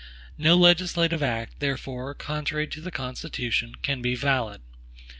No legislative act, therefore, contrary to the Constitution, can be valid.